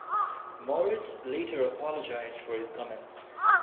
Morris later apologized for his comments.